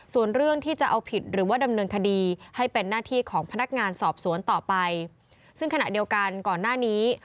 ส่วนเรื่องที่จะเอาผิดหรือว่าดำเนินคดีให้เป็นหน้าที่ของพนักงานสอบสวนต่อไปซึ่งขณะเดียวกันก่อนหน้านี้